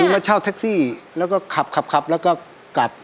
มาเช่าแท็กซี่แล้วก็ขับขับแล้วก็กัด